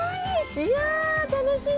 いや楽しみ。